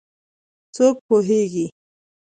څوک پوهیږېي